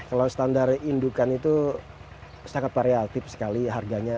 kalau standar indukan itu sangat variatif sekali harganya